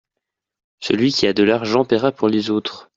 Celui qui a de l'argent paiera pour les autres.